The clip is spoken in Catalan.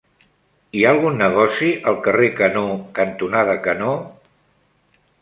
Hi ha algun negoci al carrer Canó cantonada Canó?